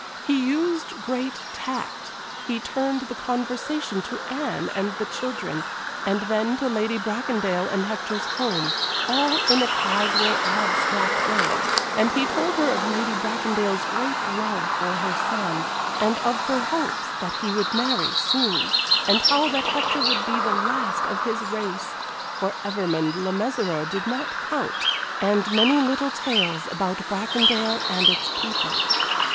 He used great tact he turned the conversation to Anne and the children, and then to Lady Bracondale and Hector's home, all in a casual, abstract way, and he told her of Lady Bracondale's great love for her son, and of her hopes that he would marry soon, and how that Hector would be the last of his race for Evermond Le Mesurier did not count and many little tales about Bracondale and its people.